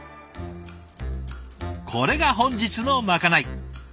これが本日のまかない。